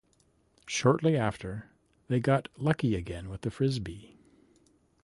Shortly after, they got lucky again with the Frisbee.